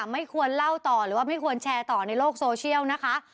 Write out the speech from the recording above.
ไม่ควรเล่าต่อหรือว่าไม่ควรแชร์ต่อในโลกโซเชียลนะคะ